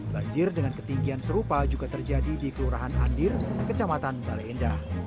banjir dengan ketinggian serupa juga terjadi di kelurahan andir kecamatan baleendah